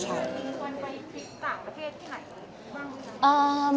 ค่ะ